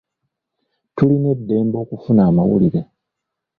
Tulina eddembe okufuna amawulire.